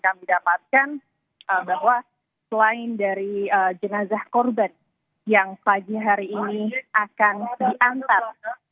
kami dapatkan bahwa selain dari jenazah korban yang pagi hari ini akan diantar